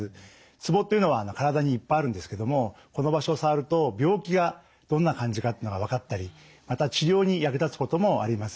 ツボっていうのは体にいっぱいあるんですけどもこの場所を触ると病気がどんな感じかっていうのが分かったりまた治療に役立つこともあります。